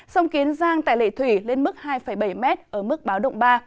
sông kiến giang tại lệ thủy lên mức hai bảy m ở mức báo động ba